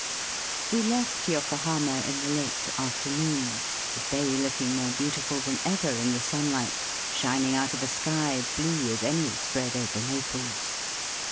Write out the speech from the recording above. We left Yokohama in the late afternoon, the bay looking more beautiful than ever in the sunlight, shining out of a sky blue as any spread over Naples.